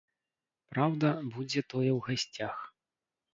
Праўда, будзе тое ў гасцях.